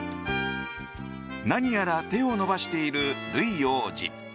何やら手を伸ばしているルイ王子。